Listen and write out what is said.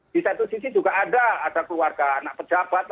di satu sisi juga ada ada keluarga anak pejabat